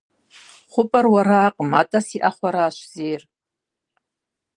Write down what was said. ХъупӀэр уэракъым, атӀэ си Ӏэхъуэрщ зейр.